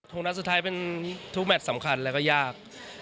ห่วงนักสุดท้ายทุกแมทสำคัญและยาก